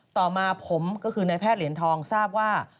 ต่อมาผมก็คือนายแพทย์เหรียญทองทราบว่า